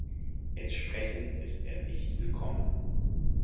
Entsprechend ist er nicht Willkommen.